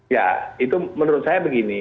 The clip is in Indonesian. ya itu menurut saya begini